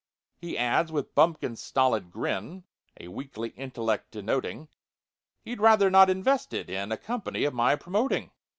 He adds, with bumpkin's stolid grin (A weakly intellect denoting), He'd rather not invest it in A company of my promoting!